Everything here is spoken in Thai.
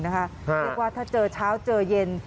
เรียกว่าถ้าเจอเช้าเจอเย็น